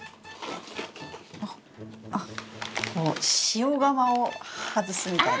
あっこう塩釜を外すみたいな。